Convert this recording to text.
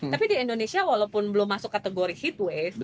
tapi di indonesia walaupun belum masuk kategori seatways